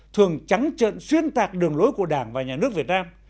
thường trắng trận xuyên tạc đường lối của đảng và nhà nước việt nam